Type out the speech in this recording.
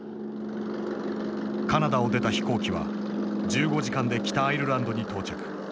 カナダを出た飛行機は１５時間で北アイルランドに到着。